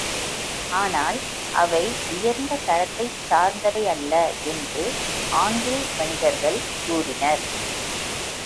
ஆனால், அவை உயர்ந்த தரத்தைச் சார்ந்தவையல்ல என்று ஆங்கில்வணிகர்கள் கூறினர்.